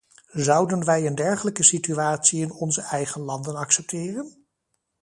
Zouden wij een dergelijke situatie in onze eigen landen accepteren?